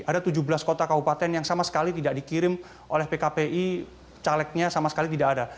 ada tujuh belas kota kabupaten yang sama sekali tidak dikirim oleh pkpi calegnya sama sekali tidak ada